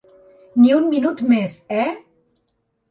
Ni un minut més, eh?